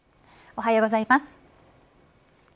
おはようございます。